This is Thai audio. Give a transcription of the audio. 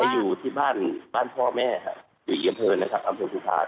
แม่เด็กอยู่ที่บ้านบ้านพ่อแม่ค่ะอยู่เยียมเพลินนะครับอำเภพภูมิภาค